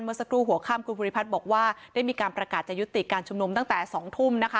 สักครู่หัวข้ามคุณภูริพัฒน์บอกว่าได้มีการประกาศจะยุติการชุมนุมตั้งแต่๒ทุ่มนะคะ